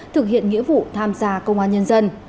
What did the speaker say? thực hiện nghĩa vụ tham gia công an nhân dân